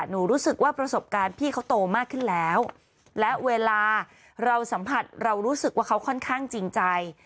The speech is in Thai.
รู้สึกว่าประสบการณ์พี่เขาโตมากขึ้นแล้วและเวลาเราสัมผัสเรารู้สึกว่าเขาค่อนข้างจริงใจ